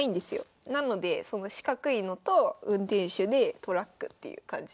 なのでその四角いのと運転手でトラックっていう感じ。